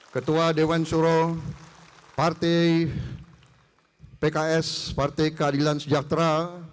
ketua dewan suro partai pks partai keadilan sejahtera